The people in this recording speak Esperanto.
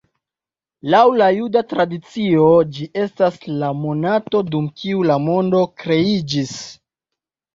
Laŭ la juda tradicio, ĝi estas la monato, dum kiu la mondo kreiĝis.